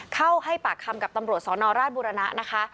เข้าให้ปากคำกับตำรวจสนราชบุรณะนะคะ